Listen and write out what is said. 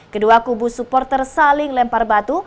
kedua kubu supporter saling lempar batu